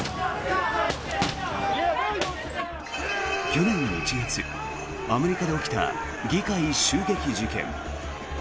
去年１月、アメリカで起きた議会襲撃事件。